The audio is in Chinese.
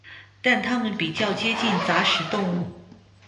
但它们比较接近杂食动物。